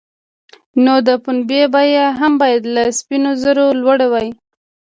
نو د پنبې بیه هم باید له سپینو زرو لوړه وای.